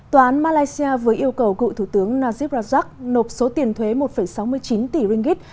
tòa án malaysia vừa yêu cầu cựu thủ tướng najib rajak nộp số tiền thuế một sáu mươi chín tỷ ringgit